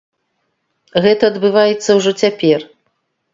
Гэта адбываецца ўжо цяпер.